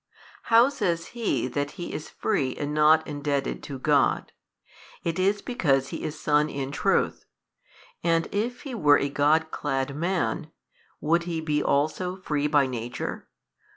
How says He that He is free and not indebted 27 to God? It is because He is Son in truth. And if He were a God clad man, would He be also free by Nature?